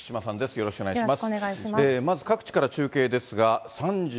よろしくお願いします。